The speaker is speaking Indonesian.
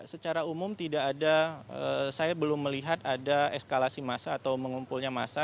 secara umum tidak ada saya belum melihat ada eskalasi massa atau mengumpulnya masa